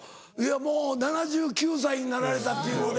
もう７９歳になられたっていうので。